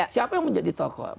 siapa yang mau jadi tokoh